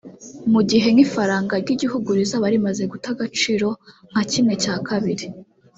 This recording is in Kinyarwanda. mu gihe nk’ifaranga ry’igihugu rizaba rimaze guta agaciro nka kimwe cya kabiri